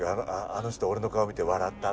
あの人俺の顔見て今笑った。